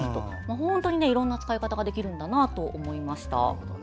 本当にいろんな使い方ができるんだなと思いました。